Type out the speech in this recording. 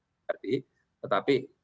tetapi semuanya pasti diperlukan